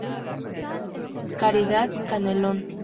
Caridad Canelón